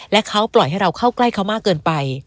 และเขาปล่อยให้เราเข้าใกล้เขามากเกินไป